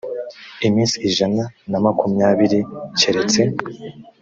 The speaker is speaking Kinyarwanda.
iminsi ijana na makumyabiri keretse